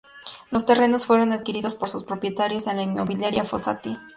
Los terrenos fueron adquiridos por sus propietarios a la inmobiliaria Fossati.